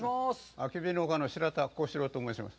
あけび農家の白田甲子郎と申します。